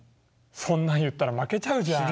そんなん言ったら負けちゃうじゃん。